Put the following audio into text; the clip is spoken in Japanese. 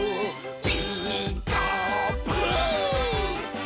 「ピーカーブ！」